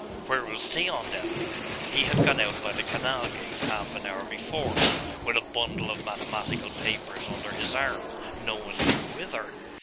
'Where was Theon, then?' He had gone out by the canal gate half an hour before, with a bundle of mathematical papers under his arm, no one knew whither....